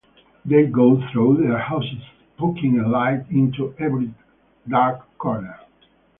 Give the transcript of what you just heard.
They go through their houses, poking a light into every dark corner.